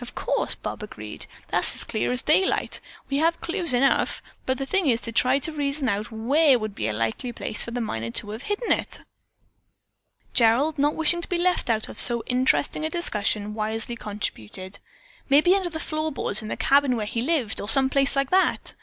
"Of course," Bob agreed. "That's as clear as daylight. We have clues enough, but the thing is to try to reason out where would be a likely place for the miner to have hidden it." Gerald, not wishing to be left out of so interesting a discussion, wisely contributed, "Maybe under the floor boards in the cabin where he lived, or some place like that."